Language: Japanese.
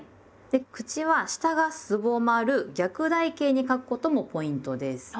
で口は下がすぼまる逆台形に書くこともポイントです。